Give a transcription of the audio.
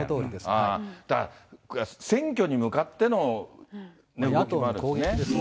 だから、選挙に向かっての動野党の攻撃ですね。